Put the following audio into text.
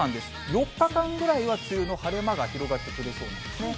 ４日間ぐらいは梅雨の晴れ間が広がってくれそうなんですね。